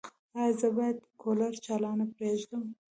ایا زه باید کولر چالانه پریږدم؟